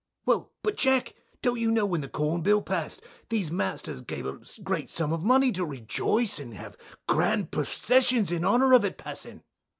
Bill. Well, but Jack, don't you know when the corn bill passed, these Masters gave a great sum of money to rejoice and have grand processions in honour of it passing.